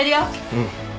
うん。